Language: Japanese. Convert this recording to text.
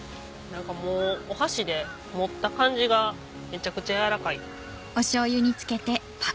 何かもうお箸で持った感じがめちゃくちゃ軟らかい。